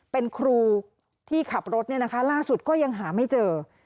เป็นครูที่ขับรถล่าสุดก็ยังหาไม่เจอ